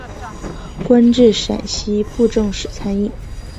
官至陕西布政使参议。